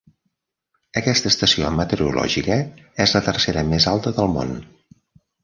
Aquesta estació meteorològica és la tercera més alta del món.